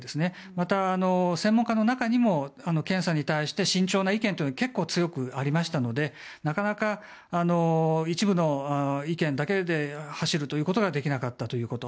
また、専門家の中にも検査に対して慎重な意見は強くありましたのでなかなか一部の意見だけで走るということができなかったということ。